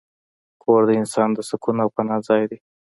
کور د انسان د سکون او پناه ځای دی.